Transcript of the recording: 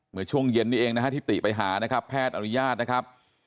เมื่อช่วงเย็นนี้เองนะฮะที่ติไปหานะครับแพทย์อนุญาตนะครับ